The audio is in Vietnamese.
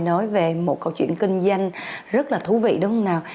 nói về một câu chuyện kinh doanh rất là thú vị đúng không nào